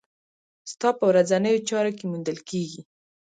ستا په ورځنيو چارو کې موندل کېږي.